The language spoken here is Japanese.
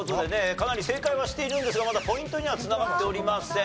かなり正解はしているんですがまだポイントには繋がっておりません。